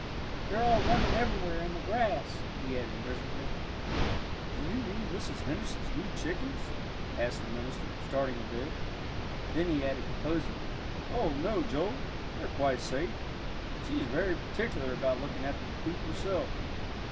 "They're all running everywhere in the grass," he added miserably. "Do you mean Mrs. Henderson's new chickens?" asked the minister, starting a bit. Then he added composedly, "Oh, no, Joel, they're quite safe. She is very particular about looking after the coop herself."